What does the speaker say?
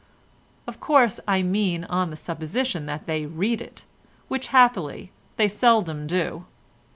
Of course, I mean on the supposition that they read it, which, happily, they seldom do.